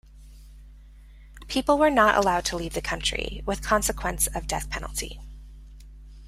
People were not allowed to leave the country, with consequence of death penalty.